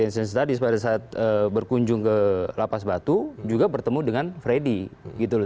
jadi conteknya tadi pada saat berkunjung ke lapas batu juga bertemu dengan freddy gitu loh